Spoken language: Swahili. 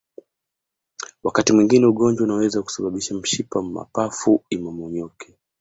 Wakati mwingine ugonjwa unaweza kusababisha mshipa wa mapafu imomonyoke